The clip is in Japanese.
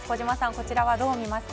こちらはどう見ますか？